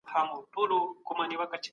کاري چاپیریال باید خوندي وي.